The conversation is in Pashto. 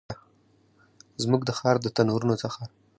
زموږ د ښار د تنورونو څخه